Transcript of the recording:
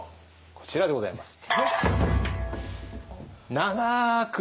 こちらでございます。